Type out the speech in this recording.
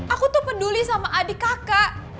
aku tuh peduli sama adik kakak